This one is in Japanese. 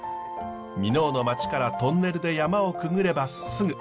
箕面の町からトンネルで山をくぐればすぐ。